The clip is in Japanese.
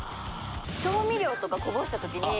調味料とかこぼした時に。